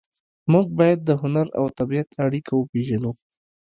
موږ باید د هنر او طبیعت اړیکه وپېژنو